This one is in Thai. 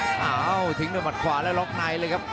เอ้าเฮ้อถึงด้วยมัดขวาและล็อกไหนเลยครับ